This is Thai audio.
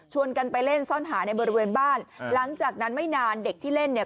กันไปเล่นซ่อนหาในบริเวณบ้านหลังจากนั้นไม่นานเด็กที่เล่นเนี่ย